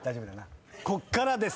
こっからです！